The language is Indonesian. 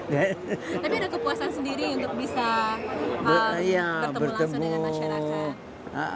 tapi ada kepuasan sendiri untuk bisa bertemu langsung dengan masyarakat